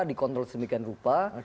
dikontrol semikian rupa